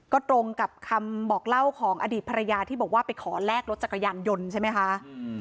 ก็ตรงกับคำบอกเล่าของอดีตภรรยาที่บอกว่าไปขอแลกรถจักรยานยนต์ใช่ไหมคะ